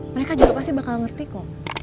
mereka juga pasti bakal ngerti kok